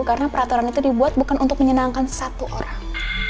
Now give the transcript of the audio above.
karena peraturan itu dibuat bukan untuk menyenangkan satu orang